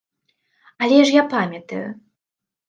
Але ж я памятаю.